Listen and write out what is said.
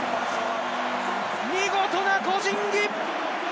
見事な個人技！